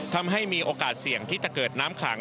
ทำให้มีโอกาสเสี่ยงที่จะเกิดน้ำขัง